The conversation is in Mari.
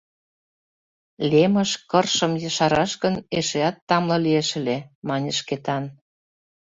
— Лемыш кыршым ешараш гын, эшеат тамле лиеш ыле, — мане Шкетан.